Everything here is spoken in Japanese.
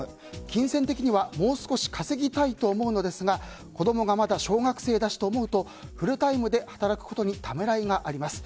金銭的にはもう少し稼ぎたいと思うのですが子供がまだ小学生だしと思うとフルタイムで働くことにためらいがあります。